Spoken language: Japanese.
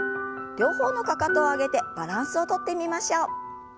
両方のかかとを上げてバランスをとってみましょう。